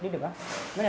bisa di jemput